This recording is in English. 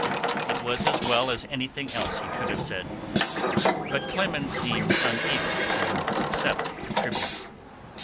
It was as well as anything else he could have said, but Clemens seemed unable to accept the tribute.